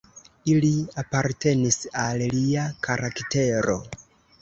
Ili apartenis al lia karaktero.